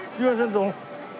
どうも。